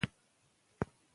ولې غږ مهم دی؟